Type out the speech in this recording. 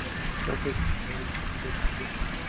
Roca, organizador de la Conquista del Desierto.